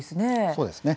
そうですね。